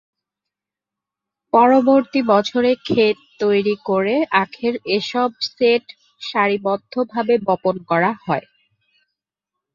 পরবর্তী বছরে ক্ষেত তৈরি করে আখের এসব সেট সারিবদ্ধভাবে বপন করা হয়।